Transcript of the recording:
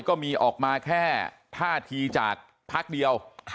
ก็มีออกมาแค่ท่าทีจากพักเดียว